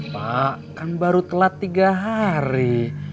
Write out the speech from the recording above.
pak kan baru telat tiga hari